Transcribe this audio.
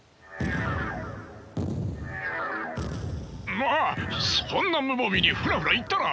ああっそんな無防備にフラフラ行ったら！